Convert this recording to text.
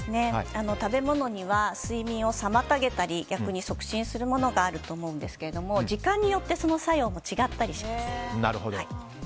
食べ物には睡眠を妨げたり逆に促進するものがあると思うんですけど時間によってその作用も違ったりします。